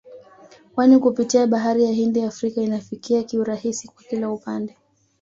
kwani kupitia bahari ya Hindi Afrika inafikika kiurahisi kwa kila upande